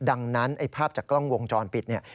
ดังนั้นไอ้ภาพจากกล้องวงจรปิดเนี่ย